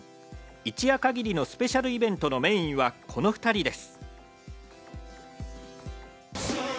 一夜限りのスペシャルイベントのメインはこの２人です。